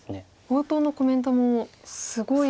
冒頭のコメントもすごい。